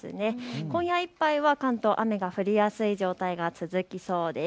今夜いっぱいは関東、雨が降りやすい状態が続きそうです。